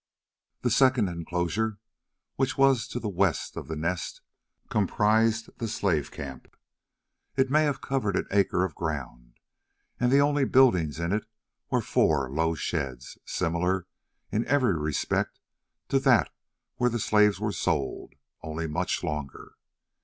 The second enclosure, which was to the west of the Nest, comprised the slave camp. It may have covered an acre of ground, and the only buildings in it were four low sheds, similar in every respect to that where the slaves were sold, only much longer.